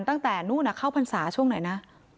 ตั้งแต่นู้นเข้าพรรษาช่วงไหนนะ